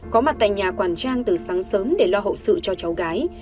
có mặt tại nhà quản trang từ sáng sớm để lo hậu sự cho cháu gái